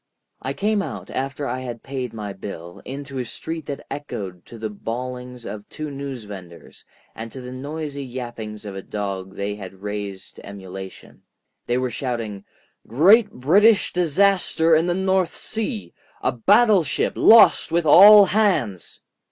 I came out, after I had paid my bill, into a street that echoed to the bawlings of two newsvendors and to the noisy yappings of a dog they had raised to emulation. They were shouting: "Great British disaster in the North Sea. A battleship lost with all hands!"